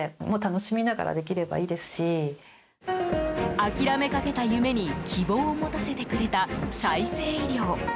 諦めかけた夢に希望を持たせてくれた再生医療。